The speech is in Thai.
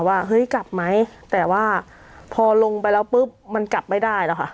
ว่าเฮ้ยกลับไหมแต่ว่าพอลงไปแล้วปุ๊บมันกลับไม่ได้แล้วค่ะ